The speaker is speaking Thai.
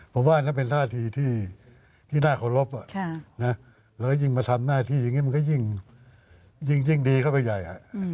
ผมว่าอันนั้นเป็นท่าทีที่น่าเคารพแล้วก็ยิ่งมาทำหน้าที่อย่างนี้มันก็ยิ่งดีเข้าไปใหญ่